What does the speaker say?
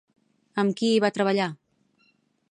Amb qui hi va treballar?